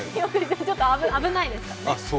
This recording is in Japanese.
ちょっと危ないですからね。